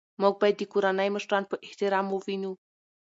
موږ باید د کورنۍ مشران په احترام ووینو